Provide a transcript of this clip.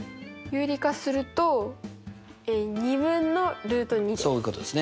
有利化すると２分のルート２です。